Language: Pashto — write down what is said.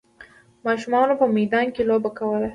ماشومانو په میدان کې لوبه کوله.